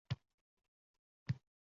Va bundan biz uyalaylik.